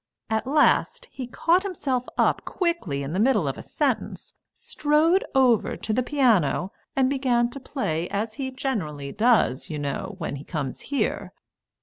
At last he caught himself up quickly in the middle of a sentence, strode over to the piano, and began to play as he generally does, you know, when he comes here.